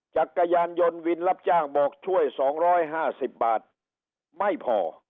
จักรยานยนต์วินรับจ้างบอกช่วย๒๕๐บาทไม่พอ